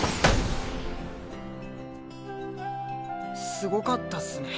すごかったスね